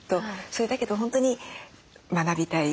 それだけど本当に学びたい。